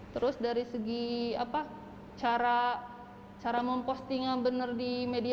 terus dari segi cara mempostingnya benar di media